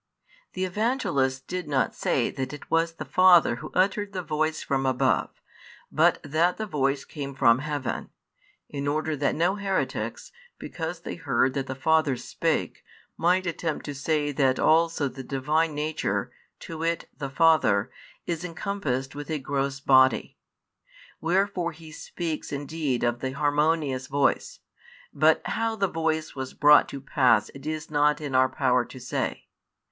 The Evangelist did not say that it was the Father Who uttered the voice from above, but that the voice came from heaven; in order that no heretics, because they heard that the Father spake, might attempt to say that also the Divine Nature, to wit, the Father, is encompassed with a |155 gross body. Wherefore he speaks indeed of the harmonious voice, but how the voice was brought to pass it is not in our power to say.